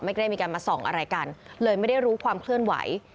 ไม่ได้มีการมาส่องอะไรกันเลยไม่ได้รู้ความเคลื่อนไหว